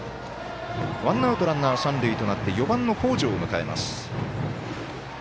ワンアウトランナー、三塁となって４番の北條を迎えます。